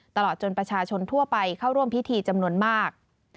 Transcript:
ตลอดจนประชาชนทั่วไปเข้าร่วมพิธีจำนวนมาก